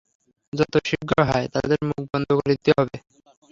যত শীঘ্র হয়, তাদের মুখ বন্ধ করে দিতে হবে।